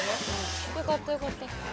よかったよかった。